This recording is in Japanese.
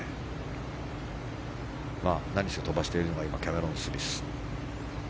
何せ飛ばしているのが今、キャメロン・スミス。